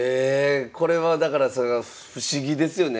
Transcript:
これはだから不思議ですよね。